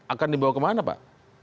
akan dibawa kemana pak